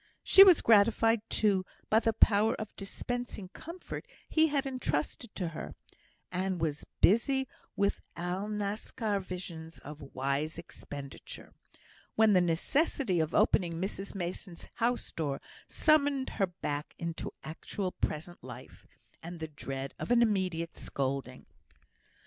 She was gratified, too, by the power of dispensing comfort he had entrusted to her, and was busy with Alnaschar visions of wise expenditure, when the necessity of opening Mrs Mason's house door summoned her back into actual present life, and the dread of an immediate scolding.